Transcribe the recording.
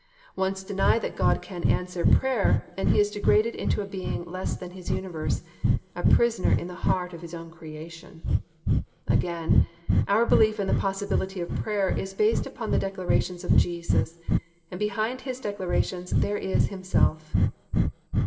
Once deny that God can answer prayer, and He is degraded into a being less than His universe, a prisoner in the heart of His own creation. Again, our belief in the possibility of prayer is based upon the declarations of Jesus, and behind His declarations there is Himself.